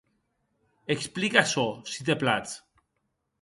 Explica açò, se te platz.